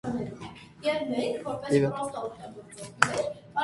Hambledon at this time was sometimes referred to as "Squire Land's Club".